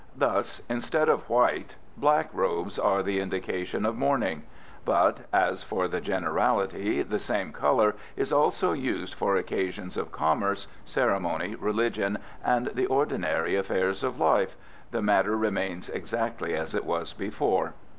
Thus, instead of white, black robes are the indication of mourning; but as, for the generality, the same colour is also used for occasions of commerce, ceremony, religion, and the ordinary affairs of life, the matter remains exactly as it was before.